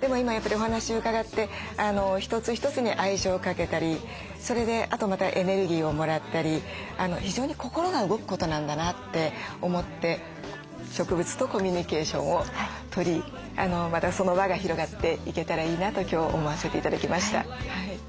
でも今やっぱりお話伺って一つ一つに愛情をかけたりそれであとまたエネルギーをもらったり非常に心が動くことなんだなって思って植物とコミュニケーションをとりまたその輪が広がっていけたらいいなと今日思わせて頂きました。